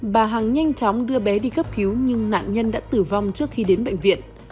bà hằng nhanh chóng đưa bé đi cấp cứu nhưng nạn nhân đã tử vong trước khi đến bệnh viện